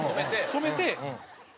止めて。